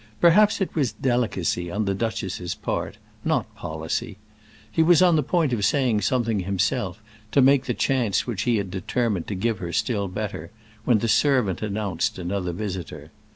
Perhaps it was delicacy on the duchess's part—not policy. He was on the point of saying something himself, to make the chance which he had determined to give her still better, when the servant announced another visitor.